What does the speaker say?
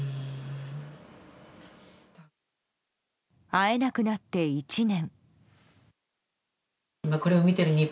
会えなくなって１年。